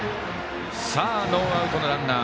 ノーアウトのランナー。